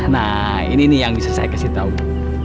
nah ini nih yang bisa saya kasih tahu